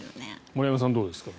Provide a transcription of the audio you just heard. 森山さん、どうですか？